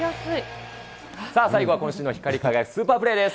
さあ、最後は今週の光り輝くスーパープレーです。